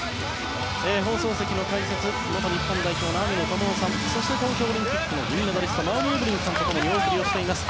放送席の解説元日本代表の網野友雄さんそして、東京オリンピックの銀メダリスト馬瓜エブリンさんとお送りしています。